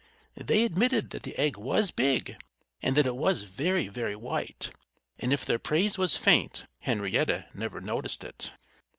They admitted that the egg was big and that it was very, very white. And if their praise was faint, Henrietta never noticed it.